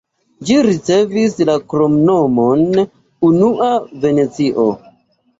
Ĝi ricevis la kromnomon "unua Venecio".